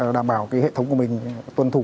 đảm bảo hệ thống của mình tuân thủ